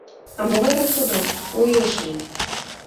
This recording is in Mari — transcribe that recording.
А могайрак тудо, у илышыже?